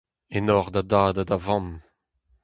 Enor da dad ha da vamm.